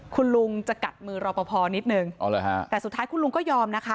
คุณลุงจะกัดมือรอปภนิดนึงแต่สุดท้ายคุณลุงก็ยอมนะคะ